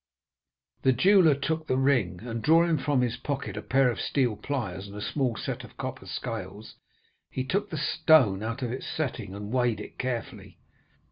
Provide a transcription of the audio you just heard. "The jeweller took the ring, and drawing from his pocket a pair of steel pliers and a small set of copper scales, he took the stone out of its setting, and weighed it carefully.